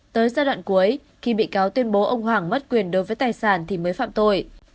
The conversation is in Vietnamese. tới giai đoạn cuối khi bị cáo tuyên bố ông hoàng mất quyền đối với tài sản thì mới phạm tội